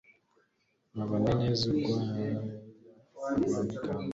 Baboneza Urwuya urwa Migamba